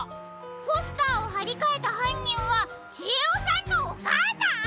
ポスターをはりかえたはんにんはちえおさんのおかあさん！？